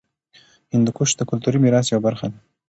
هندوکش د کلتوري میراث یوه برخه ده.